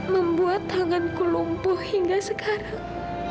membuat tanganku lumpuh hingga sekarang